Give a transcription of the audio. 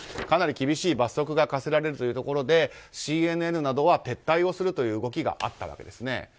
かなり厳しい罰則が科せられるということでＣＮＮなどは撤退をする動きがあったわけです。